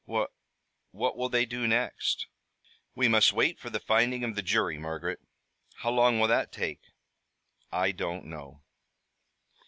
"Wha what will they do next?" "We must wait for the finding of the jury, Margaret." "How long will that take?" "I don't know."